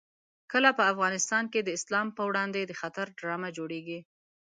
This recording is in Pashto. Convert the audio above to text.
کله په افغانستان کې د اسلام په وړاندې د خطر ډرامه جوړېږي.